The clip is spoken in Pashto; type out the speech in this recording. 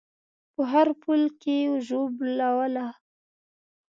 په هر پل کې ژوبلوله